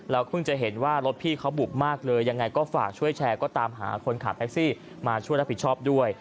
เพิ่งจะเห็นว่ารถพี่เขาบุกมากเลยยังไงก็ฝากช่วยแชร์ก็ตามหาคนขับแท็กซี่มาช่วยรับผิดชอบด้วย